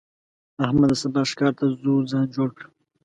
احمده! سبا ښکار ته ځو؛ ځان جوړ کړه.